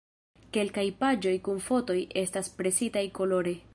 Kelkaj paĝoj kun fotoj estas presitaj kolore.